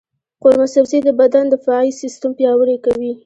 قورمه سبزي د بدن دفاعي سیستم پیاوړی کوي.